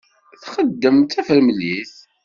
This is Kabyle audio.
Txeddem d tafremlit.